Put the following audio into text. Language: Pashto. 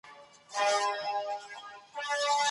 دا هغه هلک دی چي ډېر زیار باسي.